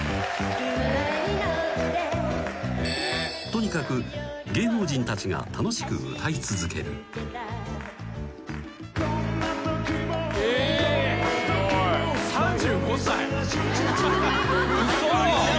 ［とにかく芸能人たちが楽しく歌い続ける］嘘。